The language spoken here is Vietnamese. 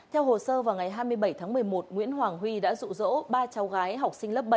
theo hồ sơ vào ngày hai mươi bảy tháng một mươi một nguyễn hoàng huy đã rụ rỗ ba cháu gái học sinh lớp bảy